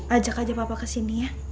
ajak aja papa kesini ya